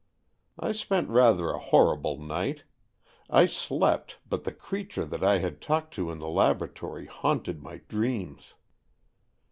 I spent rather a horrible night. I slept, but the creature that I had talked to in the laboratory haunted my dreams.